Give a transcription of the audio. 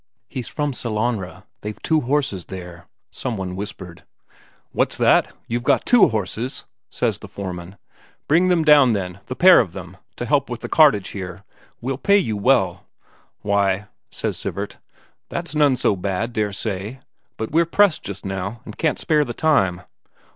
"He's from Sellanraa; they've two horses there," some one whispered. "What's that? You've got two horses?" says the foreman. "Bring them down, then, the pair of them, to help with the cartage here. We'll pay you well." "Why," says Sivert, "that's none so bad, dare say. But we're pressed just now, and can't spare the time."